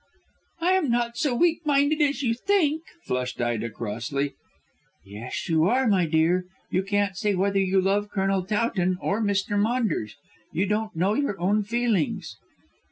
"I am not so weak minded as you think," flushed Ida crossly. "Yes, you are, my dear. You can't say whether you love Colonel Towton or Mr. Maunders. You don't know your own feelings."